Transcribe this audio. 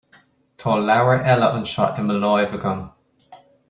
Tá leabhar eile anseo i mo láimh agam